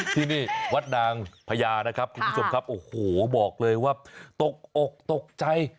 ที่นี่วัดนางพญานะครับคุณผู้ชมครับโอ้โหบอกเลยว่าตกอกตกใจ